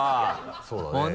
そうだね。